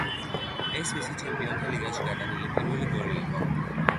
ეს მისი ჩემპიონთა ლიგაში გატანილი პირველი გოლი იყო.